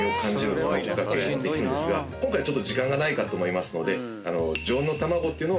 今回ちょっと時間がないかと思いますので。